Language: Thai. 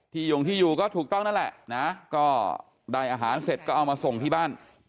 โยงที่อยู่ก็ถูกต้องนั่นแหละนะก็ได้อาหารเสร็จก็เอามาส่งที่บ้าน